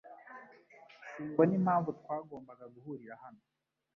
Simbona impamvu twagombaga guhurira hano